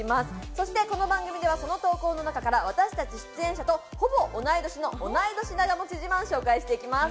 そして、この番組では、その投稿の中から、私たち出演者とほぼ同い年の同い年長持ち自慢紹介していきます。